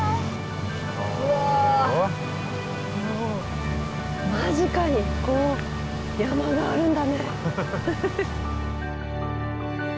もう間近にこう山があるんだね。